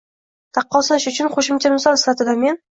Taqqoslash uchun qo'shimcha misol sifatida men